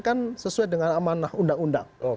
kan sesuai dengan amanah undang undang